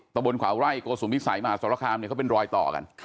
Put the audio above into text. ตะบนขวาวไร่โกสุมพิสัยมหาสรคามเนี่ยเขาเป็นรอยต่อกัน